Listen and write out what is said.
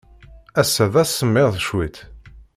Ass-a, d asemmiḍ cwiṭ.